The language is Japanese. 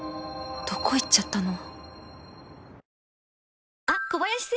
どこ行っちゃったの？